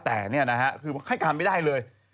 แต่นี่นะฮะคือให้การไม่ได้เลย